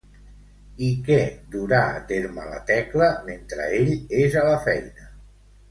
I què durà a terme la Tecla mentre ell és a la feina?